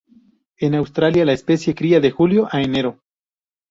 En Australia la especie cría de julio a enero.